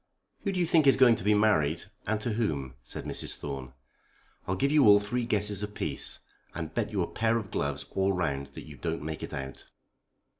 "Who do you think is going to be married, and to whom?" said Mrs. Thorne. "I'll give you all three guesses apiece, and bet you a pair of gloves all round that you don't make it out."